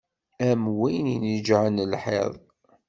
Am win ineǧǧɛen lḥiḍ.